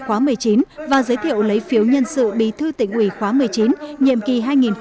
khóa một mươi chín và giới thiệu lấy phiếu nhân sự bí thư tỉnh ủy khóa một mươi chín nhiệm kỳ hai nghìn hai mươi hai nghìn hai mươi năm